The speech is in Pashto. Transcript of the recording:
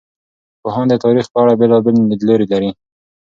پوهان د تاریخ په اړه بېلابېل لیدلوري لري.